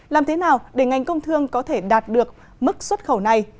làm thế nào để ngành công thương có thể đạt được mức xuất khẩu này